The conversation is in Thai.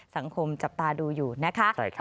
สังคมจับตาดูอยู่นะคะใช่ครับ